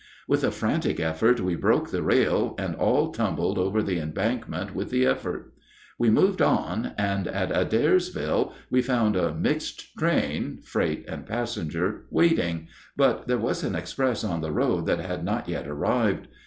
With a frantic effort we broke the rail, and all tumbled over the embankment with the effort. We moved on, and at Adairsville we found a mixed train (freight and passenger) waiting, but there was an express on the road that had not yet arrived.